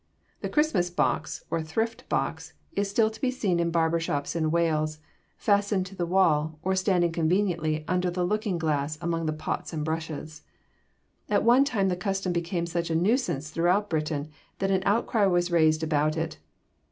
The Christmas box, or thrift box, is still to be seen in barber shops in Wales, fastened to the wall, or standing conveniently under the looking glass among the pots and brushes. At one time the custom became such a nuisance throughout Britain that an outcry was raised about it.